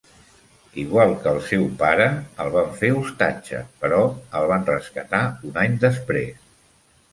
Igual que el seu pare, el van fer ostatge, però el van rescatar un any després.